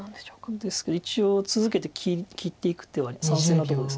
ですけど一応続けて切っていく手は３線のとこです。